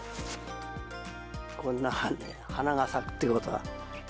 こんな花が咲くっていうことは。